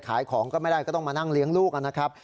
ขายของก็ไม่ได้ก็ต้องมานั่งเลี้ยงลูกนะครับ